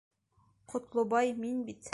Ҡотлобай, мин бит...